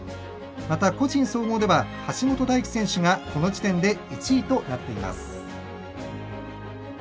また、個人総合では橋本大輝選手がこの時点で１位となっています。